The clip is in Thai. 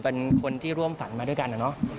เป็นคนที่ร่วมฝันมาด้วยกันอะเนาะ